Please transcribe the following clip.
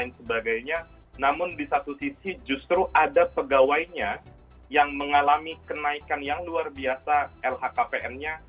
namun di satu sisi justru ada pegawainya yang mengalami kenaikan yang luar biasa lhkpn nya